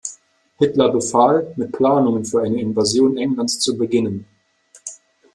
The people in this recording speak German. Hitler befahl, mit Planungen für eine Invasion Englands zu beginnen.